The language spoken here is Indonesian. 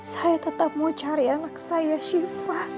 saya tetap mau cari anak saya shiva